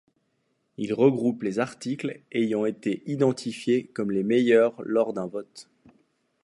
Il regroupe les articles ayant été identifiés comme les meilleurs lors d'un vote.